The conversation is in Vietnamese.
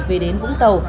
về đến vũng tàu